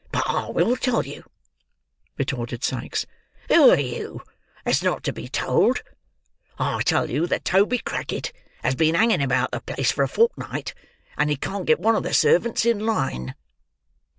"But I will tell you," retorted Sikes. "Who are you that's not to be told? I tell you that Toby Crackit has been hanging about the place for a fortnight, and he can't get one of the servants in line."